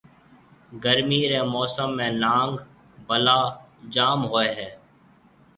گرمي رَي موسم ۾ نانگ ، بلا جام ھوئيَ ھيََََ